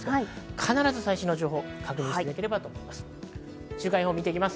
必ず最新の情報を確認していただきたいです。